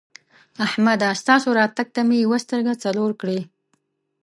احمده! ستاسو راتګ ته مې یوه سترګه څلور کړې.